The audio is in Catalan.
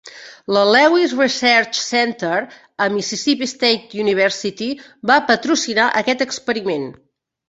La Lewis Research Center and Mississippi State University va patrocinar aquest experiment.